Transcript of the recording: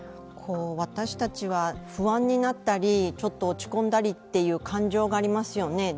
私たちは不安になったりちょっと落ち込んだりという感情がありますよね。